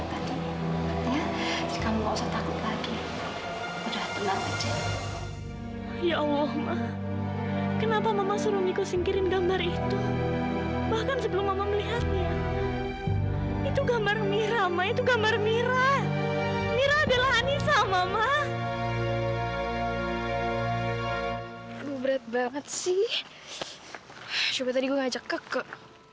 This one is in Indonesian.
coba tadi gue ngajak kakek